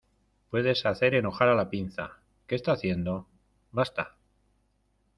Podes hacer enojar a la pinza. ¿ qué está haciendo? ¡ basta!